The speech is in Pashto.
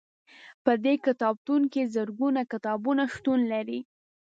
په دې کتابتون کې زرګونه کتابونه شتون لري.